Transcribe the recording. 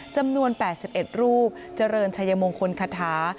จำนวน๘๑รูปเจริญชัยมงคลคาถา